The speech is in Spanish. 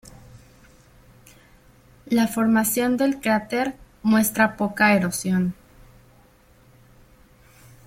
La formación del cráter muestra poca erosión.